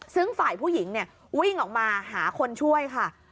ซึ่งฝ่ายผู้หญิงเนี่ยวิ่งออกมาหาคนช่วยค่ะ